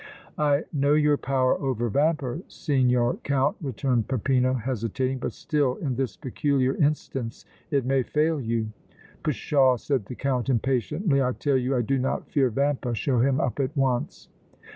"I know your power over Vampa, Signor Count," returned Peppino, hesitating, "but still in this peculiar instance it may fail you!" "Pshaw!" said the Count, impatiently. "I tell you I do not fear Vampa. Show him up at once."